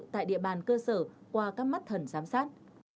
tại địa bàn cơ sở qua các mắt thần giám sát